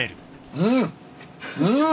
うん。